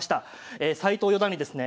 え斎藤四段にですね